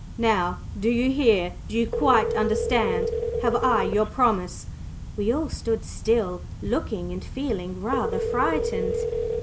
Now, do you hear? Do you quite understand? Have I your promise?" We all stood still, looking and feeling rather frightened.